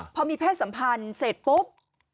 พอมีเพศสัมพันธ์เสร็จปุ๊บ